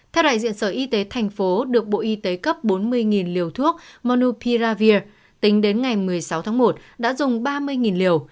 theo đại diện sở y tế thành phố được bộ y tế cấp bốn mươi liều thuốc monupiravir tính đến ngày một mươi sáu tháng một đã dùng ba mươi liều